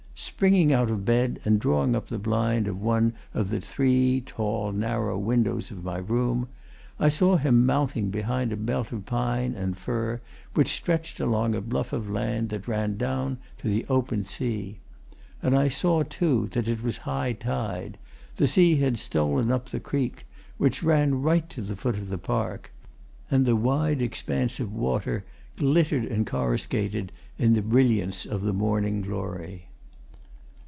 Springing out of bed and drawing up the blind of one of the three tall, narrow windows of my room, I saw him mounting behind a belt of pine and fir which stretched along a bluff of land that ran down to the open sea. And I saw, too, that it was high tide the sea had stolen up the creek which ran right to the foot of the park, and the wide expanse of water glittered and coruscated in the brilliance of the morning glory.